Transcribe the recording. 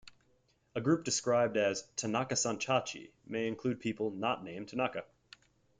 A group described as "Tanaka-san-tachi" may include people not named Tanaka.